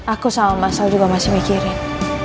aku sama mas sau juga masih mikirin